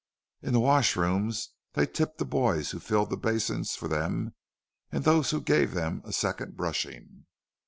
In the washrooms they tipped the boys who filled the basins for them and those who gave them a second brushing.